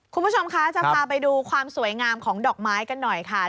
คุณผู้ชมคะจะพาไปดูความสวยงามของดอกไม้กันหน่อยค่ะ